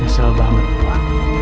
besar banget gua